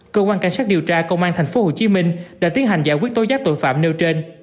cơ quan cảnh sát điều tra công an tp hcm đã tiến hành giải quyết tối giác tội phạm nêu trên